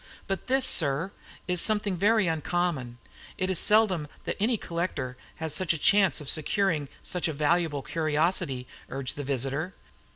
"But this, sir, is something very uncommon. It is seldom that any collector has such a chance of securing such a valuable curiosity," urged the visitor.